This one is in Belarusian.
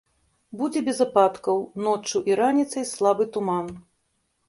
Будзе без ападкаў, ноччу і раніцай слабы туман.